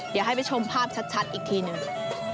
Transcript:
เดี๋ยวให้ไปชมภาพชัดอีกทีหนึ่ง